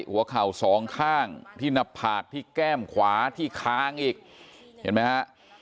หัวเข่าสองข้างที่หน้าผากที่แก้มขวาที่คางอีกเห็นไหมฮะ